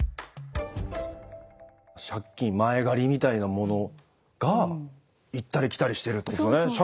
借金前借りみたいなものが行ったり来たりしてるということですよね。